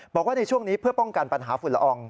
บอกว่าในช่วงนี้เพื่อป้องกันปัญหาฝุ่นละออง